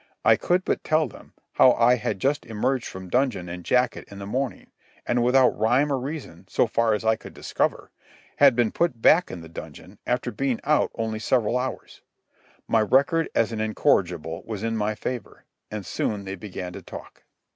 I could but tell them how I had just emerged from dungeon and jacket in the morning, and without rhyme or reason, so far as I could discover, had been put back in the dungeon after being out only several hours. My record as an incorrigible was in my favour, and soon they began to talk.